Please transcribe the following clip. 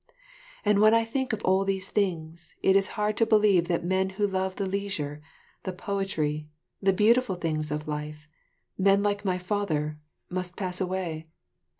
And when I think of all these things, it is hard to believe that men who love the leisure, the poetry, the beautiful things of life, men like my father, must pass away.